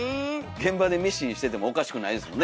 現場でミシンしててもおかしくないですもんね